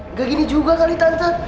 nggak gini juga kali tante